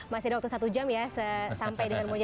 masih ada waktu satu jam ya sampai dengan moja dua ratus dua belas